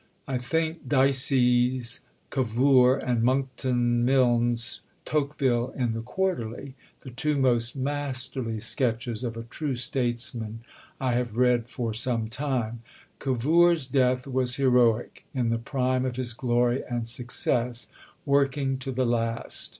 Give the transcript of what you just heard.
I think Dicey's Cavour and Monckton Milnes's Tocqueville in the Quarterly, the two most masterly sketches of a true Statesman I have read for some time. Cavour's death was heroic in the prime of his glory and success working to the last.